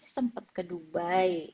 sempet ke dubai